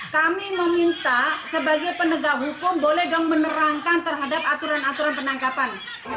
kami meminta sebagai penegak hukum boleh dong menerangkan terhadap aturan aturan penangkapan